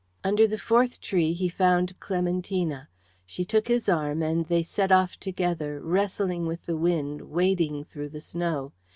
Under the fourth tree he found Clementina; she took his arm, and they set off together, wrestling with the wind, wading through the snow.